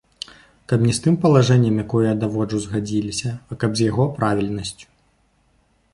Каб не з тым палажэннем, якое я даводжу, згадзіліся, а каб з яго правільнасцю.